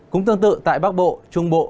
cũng tương tự tại bắc bộ trung bộ